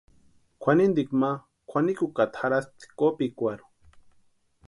Kwʼanintikwa ma kwʼanikukata jarhaspti kopikwarhu.